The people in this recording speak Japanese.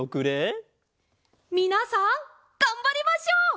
みなさんがんばりましょう！